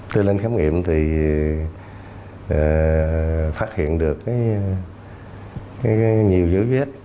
tôi lên khám nghiệm thì phát hiện được nhiều dấu vết